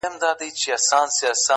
پر کاله ټول امتحان راسي مگر,